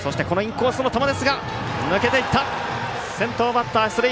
先頭バッター出塁。